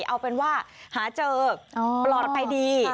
เอาเป็นว่าหาเจอปลอดภัยดี